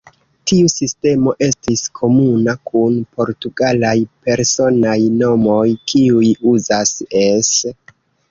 Tiu sistemo estis komuna kun portugalaj personaj nomoj, kiuj uzas "-es".